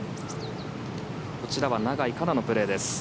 こちらは永井花奈のプレーです。